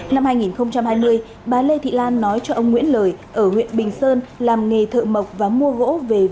năm hai nghìn hai mươi bà lê thị lan nói cho ông nguyễn lời ở huyện bình sơn làm nghề thợ mộc và mua gỗ về